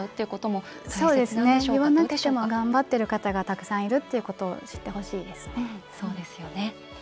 言わなくても頑張ってる方がたくさんいることを知ってほしいですね。